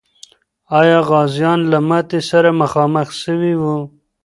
آیا غازیان له ماتي سره مخامخ سوي و؟